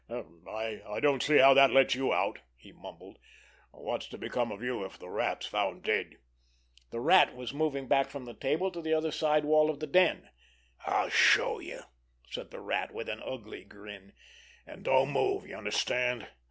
"I don't see how that lets you out," he mumbled. "What's to become of you if the Rat's found dead?" The Rat was moving back from the table to the side wall of the den. "I'll show you," said the Rat, with an ugly grin. "And don't move—you understand?